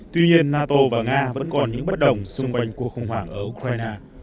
tuy nhiên nato và nga vẫn còn những bất đồng xung quanh cuộc khủng hoảng ở ukraine